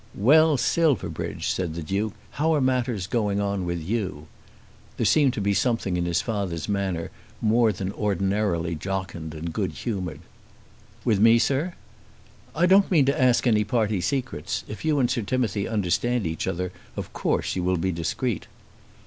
"Well, Silverbridge," said the Duke, "how are matters going on with you?" There seemed to be something in his father's manner more than ordinarily jocund and good humoured. "With me, sir?" "I don't mean to ask any party secrets. If you and Sir Timothy understand each other, of course you will be discreet."